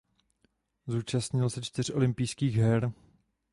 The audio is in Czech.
Zúčastnil se čtyř olympijských her.